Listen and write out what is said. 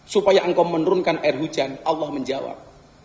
supaya engkau menurunkan air hujan allah menjawab